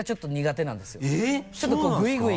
ちょっとグイグイ。